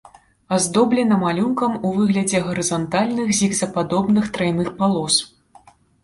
Аздоблены малюнкам у выглядзе гарызантальных зігзагападобных трайных палос.